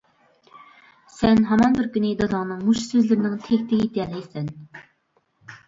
سەن ھامان بىر كۈنى داداڭنىڭ مۇشۇ سۆزلىرىنىڭ تەكتىگە يېتەلەيسەن.